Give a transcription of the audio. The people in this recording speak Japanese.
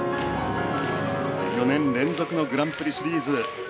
４年連続のグランプリシリーズ。